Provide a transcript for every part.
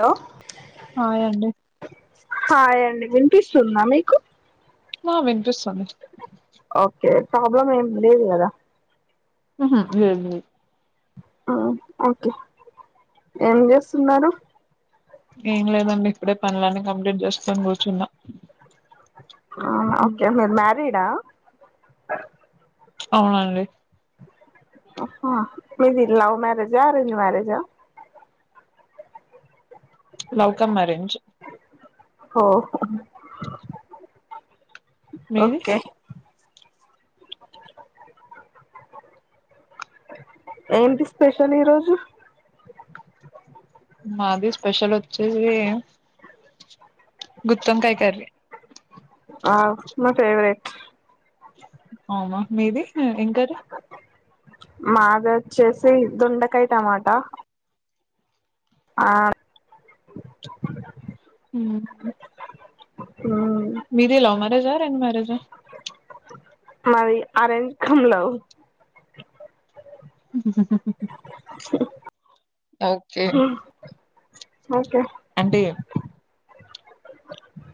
Hello hi అండి హాయ్ండి వినిపిస్తుందా మీకు నా వినిపిస్తుంది ఓకే ప్రాబ్లం ఏం లేదు కదా మ్ హు లెద్ ఆ ఓకే ఏం చేస్తున్నారు ఎం లేదు ఇప్పుడే పనలని కంప్లీట్ చేస్కొని కూర్చున్నా అవునా ఓకే మీరు మ్యారీడా అవునండి అ అ మీది లవ్ మ్యారేజా అరెంజ్ మ్యారేజా లౌకమ్ అరేంజ్ ఓ మీది ఓకే ఏంటి స్పెషల్ ఈరోజు మాది స్పెషల్ వచ్చేసి గుత్తోంకాయి కర్రీ ఆ మా ఫేవరెట్ అవునా మీది ఎం గారు మాగా వచ్చేసి దొండకాయ టమాటా ఆ హ మ్మ్ మీది లవ్ మ్యారేజా అరేంజ్ మ్యారేజా మాది అరేంజ్ కమ్ లవ్ హ్మ్ ఓకే ఓకే అంటే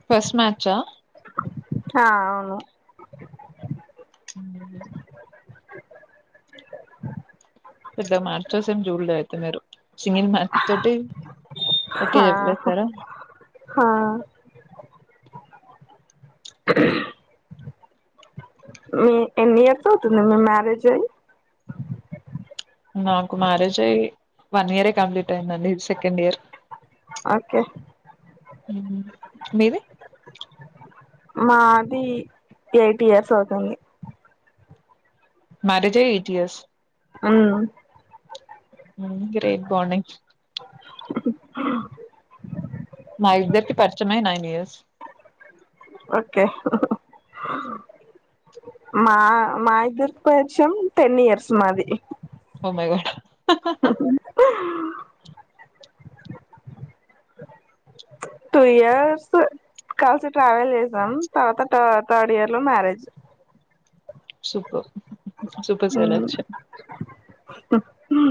ఫస్ట్ మ్యాచ్చా ఆ అవును పెద్ద మార్చసేమ్ జూడ్లే అయితె మీరు సింగిల్ మ్యాచ్ తోటి ఓకే ఆ చెప్పేసారా ఆ మీ ఎన్ని ఇయర్తోతుంది మీ మ్యారేజ్ అయి నాకు మ్యారేజ్య వన్ ఇయరే కంప్లీట్ అయిందండి సెకండ్ ఇయర్ ఓకే మేవ మాది ఎయిట్ ఇయర్స్ అవుతుంది మారి జయి ఏటీఎస్ అమ్ గ్రేట్ బానింగ్ వో మా ఇద్దరికి పరిచమే నైన్ ఇయర్స్ ఓకే మా మా ఇర్పుచ్చం టెన్ ఇయర్స్ మాది మగ ఓ టూ ఇయర్స్ కలిసి ట్రావెల్ చేసాం తర్వాత థర్డ్ ఇయర్ లో మ్యారేజ్ సూప సూపర్స్ అలగ వో వో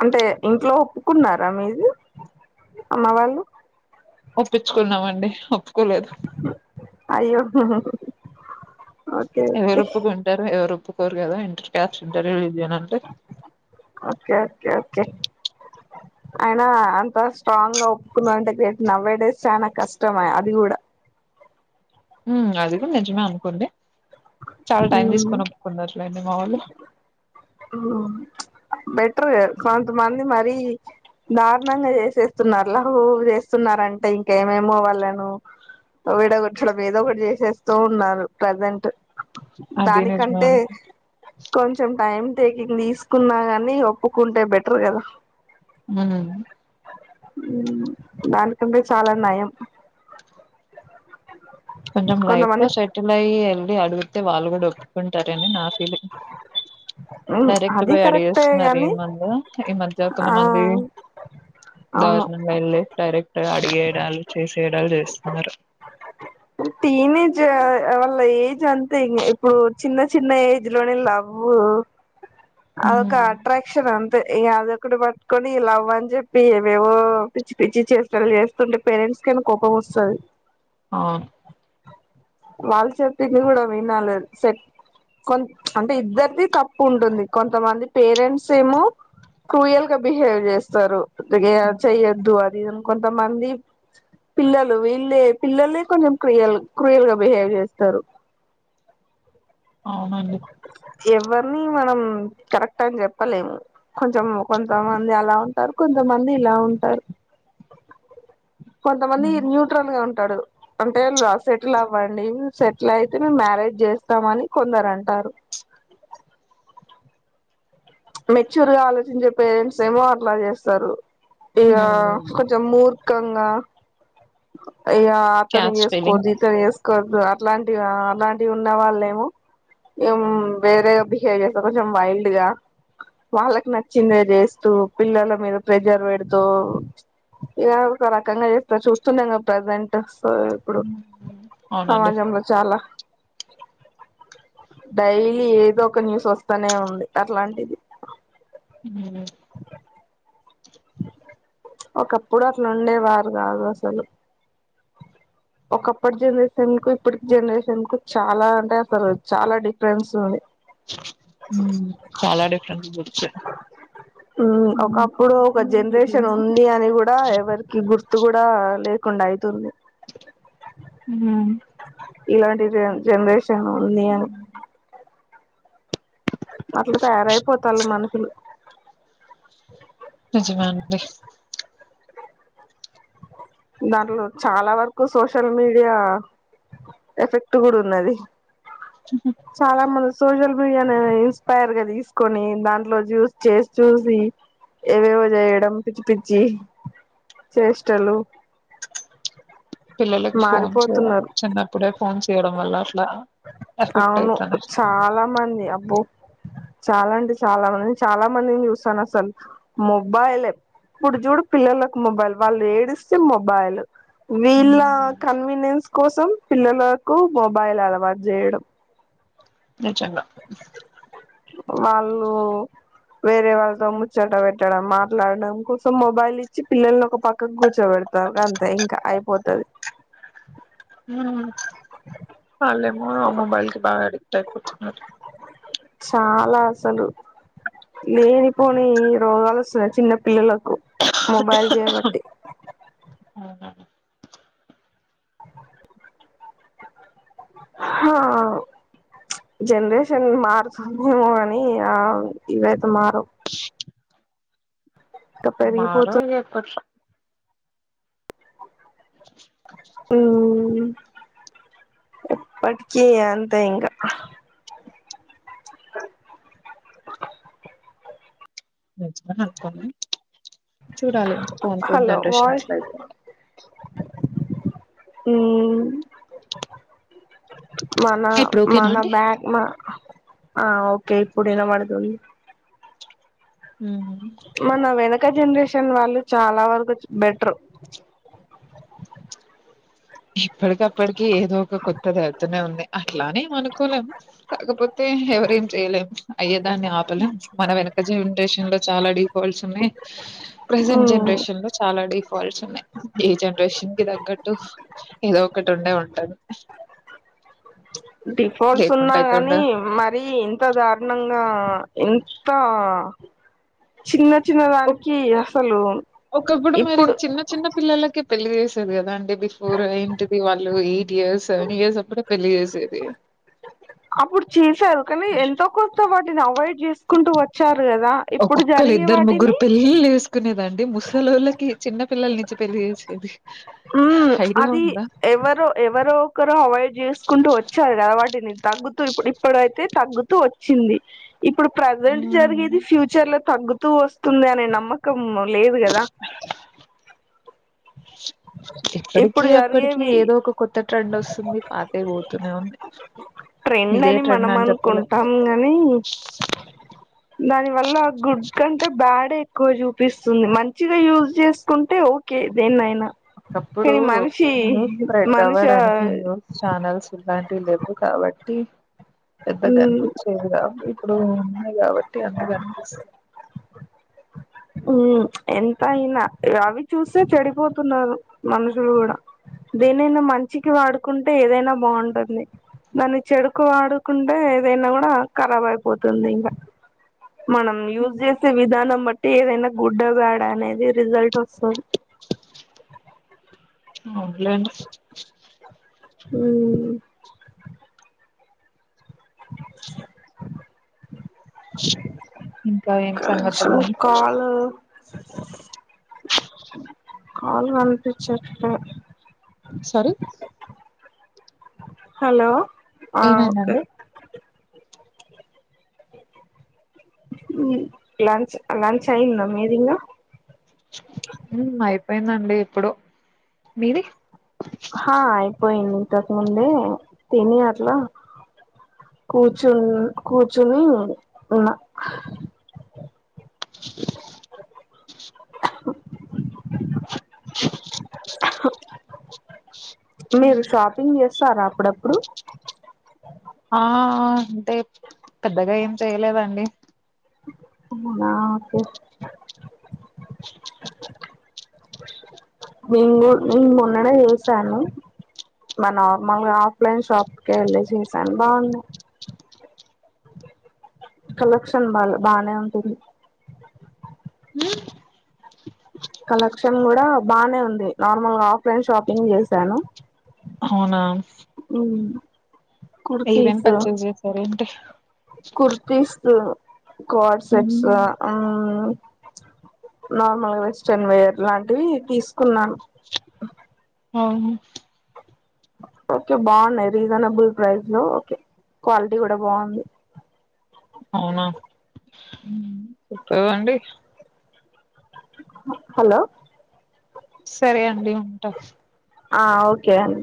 అంటే ఇంట్లో ఒప్పుకున్నారా మీది అమ్మ వాళ్ళు ఒప్పించుకున్నామండి కొలేదు అయ్యో ఓకే ఓకే ఎవరుప్పుగాంటారు ఎవరు తప్పుకోరు కదాంటి ఇంటర్వ్యూ ఇదినంటే ఓకే ఓకే అయినా అంతా స్ట్రాంగ్ గా ఒప్పుకుందా అంటే గే నవ్వే డేస్ చాలా కష్టం అది కూడా ఉ అది కూడా నిజమే అనుకోండి చాలా టైం తీసుకొని ఒప్పుకున్నట్లేండి మా వాళ్ళు బెటర్ కొంతమంది మరీ దారుణంగా చేసేస్తున్నారు లఘు చేస్తున్నారంటే ఇంకేమేమో వాళ్ళను విడ గుట్డం మీద ఒకటి చేసేస్తూ ఉన్నారు ప్రజెంట్ అది నిజమే దానికంటే అనుకో కొంచెం టైం కింది తీసుకున్నా కాని ఒప్పుకుంటే బెటర్ కదా హ దానికంటే చాలా నయం కొంచం లైఫ్ లో కొంతమంది సెటిల్ యి అడుగుతే వ వాల్గుడ్తే ంటారని నా ఫీలింగ్ డైరెక్ట్ అది పోయి కరెక్టే అడిగేస్తున్నారు గాని ఏమంది ఈ మధ్య ఆ కొంతమంది అవును దారుణంగా వెళ్ళి డైరెక్ట్ అడిగేడాలు చేసేడాలు చేస్తున్నారు టీనేజ్ వళ్ళ లేజ్ అంతే ఇం ఇప్పుడు చిన్న చిన్న ఏజ్ లోనే లవ్వు అదక అట్రాక్షన్ అంత ఈ అదొక్కడు పట్టుకొని ఈ లవ్ అని చెప్పి ఏమేవో పిచ్చి పిచ్చి చేసినలు చేస్తుంటే పేరెంట్స్ కైనా కోపం వస్తుది ఆ వాళ్ళచతకి కూడా కూడా వినాాలు సట్ కొ అంటే ఇద్దరిది తప్పు ఉంటుంది కొంతమంది పేరెంట్స్ ఏమో క్రూయల్ గా బిహేవ్ చేస్తారు అకే స అద్దుూ అది కొంతమంది పిల్లలు వీళ్ళే పిల్లలే కొంచెం క్రియల్ క్రియల్ గా బిహేవ్ చేస్తారు అవునండి ఎవరిని మనం కరెక్ట్ అని చెప్పలేము కొంచెం కొంతమంది అలా ఉంటారు కొంతమంది ఇలా ఉంటారు కొంతమంది న్యూట్రల్ గా ఉంటాడు అంటే సెటిల్ అవ్వండి సెటిల్ అయితే మేము మ్యారేజ్ చేస్తామని కొందరు అంటారు మెచ్యూర్ గా ఆలోచించే పేరెంట్స్ ఏమో అట్లా చేస్తారు ఇయా కొ జమ్మూ ఇక్కంగా అయ్య ఆ తన క్యాస్ట్ ఫీలింగ్ వేసుకోద్ ఈతర ఎేస్ కొద్ అట్లాంటివి అలాంటివి ఉన్న వాళ్ళ ఏమో ఏం వేరేగా బిహేవ్ చేస్తారు కొంచెం వైల్డ్ గా వాళ్ళకి నచ్చిందే చేస్తూ పిల్లల మీద ప్రెజర్ పెడుతూ ఇక ఒక రకంగా చేస్తారు చూ స్తుున్నాంగా ప్రెసెంట్ ఇప్పుడు అవునండి సమాజంలో చాలా డైలీ ఏదో ఒక న్యూస్ వస్తానే ఉంది అట్లాంటిది హ ఒకప్పుడు అసలు ఉండేవారు కాదు అసలు ఒకప్పటి జనరేషన్ కు ఇప్పటికి జనరేషన్ కు చాలా అంటే అసలు చాలా డిఫరెన్స్ ఉంది చాలా డిఫరెన్స్ బుక్స్ ఒకప్పుడు ఒక జనరేషన్ ఉంది అని కూడా ఎవరికి గుర్తు కూడా లేదు ఉయి తుంది ఇలాంటి జన్ జనరేషన్ నీయ అట్లా తయారయిపోతన్ మనుషులు నిజమె అన్ని దాంట్లో చాలా వరకు సోషల్ మీడియా ఎఫెక్ట్ కూడా ఉన్నది. చాలా మంస్ సోషల్ మీడియా నేను ఇన్స్పైర్ గా తీసుకొని దాంట్లో జూస్ చేస్ చూసి, ఏవేవో చేయడం పిచ్చి పిచ్చి చేష్టలు పిల్లలకి ఫోన్స్, మారిపోతున్నారు చిన్నప్పుడే ఫోన్ చేయడం వల్ల అట్లా ఎఫెక్ట్ అవును అయితది. చాలా మంది అబ్బో చాలా అంటె చాలామందిని, చాలా మందిని చూస్సాన అస్సల్, మొబైలే ప్పుడు చూడు పిల్లలకు మొబైల్ వాళ్ళు ఏడిస్తే మొబైల్ విల్లా కన్వీనియన్స్ కోసం పిల్లలకు మొబైల్ అలవాటు జేయడం. నిజంగా వాళ్ళు వేరే వాళ్ళతో ముచ్చట పెట్టడం మా మాట్లాడం కోసం మొబైల్ ఇచ్చి పిల్లల్ని ఒక పక్కకు కూర్చోబెడత అంతే ఇంకా అయిపోతది. ఉ నేపోను మొబైల్ కి బాగా అడిక్ట్ అయిపోతున్నర్. చాలా అసలు లేనిపోని రోగాలు వస్సున్నాయి, చిన్న పిల్లలు మొబైల్ జెయ్ బట్టి అవునా ఆ చ్ జనరేషన్ మారుతుందేమో, అని ఆ ఇవైతే మారవ్. మారో పెరిగిపోతు ఏ పష్ చిక్ చిక్ హు, ఎప్పటికి అంతే ఇంగ తెచ్చుకొన్ అనుకోన్నా చూడాలి ఇంకా పోన్ పోన్ హలో జనరేషన్ వాయ్ ఎట్లా అయితు ఉ మన ఇప్పుడు ఓకేనా మన అండి బ్యాగ్ మా ఆ ఓకే ఇప్పుడు ఇనబడుతుంది. ఉమ్ మన వెనక్ ఒక్క జనరేషన్ వాళ్ళు చాలా వరకచ్ బెట్ర్ ర్ చీప్ ఇప్పటికప్పటికి ఏదో ఒక కొత్తదివత్తునే ఉంది. అట్లానేం అనుకోలేము. కాకపోతే ఎవరేం చేయలేం. అయ్యే దాన్ని ఆపలేం, మన వెనక జనరేషన్ లో చాలాడి. ఫోల్ సున్నాయ్ ప్రెసెంట్ ఉమ్ జనరేషన్ లో చాలా డిఫాల్ట్స్ ఉన్నాయి ఈ జనరేషన్ కి తగ్గట్టు ఏదో ఒకటి ఉండే ఉంటది కీ క్ డిఫాల్ట్స్ ఉన్నా లేకుంటే అయితే ఉండ గాని మరీ ఇంత దారుణంగా ఇంత ఆ చిన్న చిన్న ఓక్ దానికి అసలు ఒకప్పుడు మరి ఇప్పుడు చిన్న చిన్న పిల్లలకి పెళ్ళి చేసి తది కదా అండి బిఫోర్ ఏంటిది వాళ్ళు ఇప్ టియర్స్ సెవన్ ఇయర్స్ అప్పుడే పెళ్లి చేసేది అప్పుడు చేసారు కానీ ఎంతో కొంత వాటిని అవాయిడ్ చేస్ కుంటూ వచ్చార్ ఒక్కొక్కలి ఇద్దరు ముగ్గురు పెళ్లిళ్లు వేసుకునేదన్ దె ముసలళ్లకి చిన్న పిల్లల నిచ్చి పెళ్లి చేేసేది అది ఎవరో ఎవరో ఒకరు అవాయిడ్ చేసుకుంటూ వచ్చారు కాబట్టి నే తగ్గుతూ ఇప్ ఇప్పుడైతే తగ్గుతూ వచ్చింది ఇప్పుడు ప్రజెంట్ జరిగేది హ్మ్. ఫ్యూచర్ లో తగ్గుతూ వస్తుంది అనే నమ్మకం మ్మ్ లేదు కదా ఇప్పటికి ఇప్పుడు అప్పటికి జరిగేవి ఏదో ఒక కొత్త ట్రెండ్ వస్తుంది. పాతయి పోతూనే ఉన్నాయి. ట్రెండ్ ఇదే అని ట్రెండ్ మనం చెప్పలేం. అనుకుంటాం గాని దాని వల్ల గుడ్ కంటే బ్యాడే ఎక్కువ చూపిస్తుంది మంచిగా యూజ్ చేసుకుంటే ఓకే దేన్నైనా ఎప్పుడు కానీ మనిషి న్యూస్ స్ప్రెడ్ మనిష అవ్వడానికి న్యూస్ ఛానల్స్ ఇలాంటివి లేవు కాబట్టి టీమ్ పెద్దగ ఉమ్ కనిపించేదిగా ఇప్పుడు గావట్ టి అంది అనిపిస్తుంది మ్మ్ ఎంత అయినా రఅవి చూస్తే చెడిపోతున్నారు మనుషులు కూడా దేనైనా మంచికి వాడుకుంటే ఏదైనా బాగుంటుంది దాన్ని చెడుకు వాడుకుంటే ఏదైనా కూడా ఖరాబ్ అయిపోతుంది ఇంగా మనం యూజ్ చేసే విధానం బట్టి ఏదైనా గుడ్డ బ్యాడ అనేది రిజల్ట్ వస్తది. అవునులేండి హ్మ్ ఓ వో కనీషం కాల్ కాలు కనిపించ సారీ హలో ఆ ఓకే ఏమైందండి? లంచ్ లంచ్ అయి్యందా మీదిలో అయిపోయిందం అండి ఎప్పుడు మీది హా అయిపోయింది ఇంతకుముందే తని అట్లా కూర్చు కూర్చుని ఉన్న ఓ మీరు షాపింగ్ చేస్తారా అప్పుడప్పుడు ఆ అంటే పెద్దగా ఏం చేయలేదండి అవునా ఓకే నేను మొన్నడే చేసాను మా నార్మల్గా ఆఫ్లైన్ షాప్క వెళ్ళి చేసాను బాగుంది కలెక్షన్ బాాల బానే ఉంటుంది కలెక్షన్ కూడా బాగానే ఉంది నార్మల్గా ఆఫ్లైన్ షాపింగ్ చేసాను అవునా ఉ ఇవెం పర్చేస్్ చేసారు ంట kurtis co-ord sets normal western wear లాంటివి తీసుకున్నాను ఆ ఓకే బాగున్నాయి రీజనబుల్ ప్రైస్ లో ఓకే క్వాలిటీ కూడా బాగుంది అవునాప్ప అంటే హలో సరే అండి ఉంటా ఆ ఓకేండి